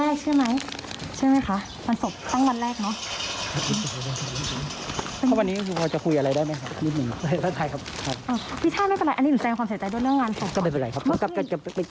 ก็หมดชาวพนักกิจวันไหนครับท่าน